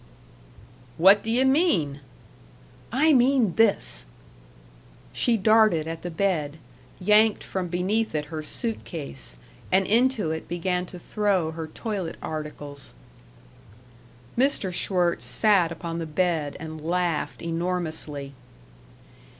"What d' yuh mean?" "I mean this." She darted at the bed, yanked from beneath it her suit case, and into it began to throw her toilet articles. Mr. Schwirtz sat upon the bed and laughed enormously.